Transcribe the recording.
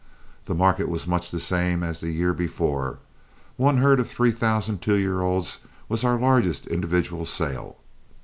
The market was much the same as the year before: one herd of three thousand two year olds was our largest individual sale.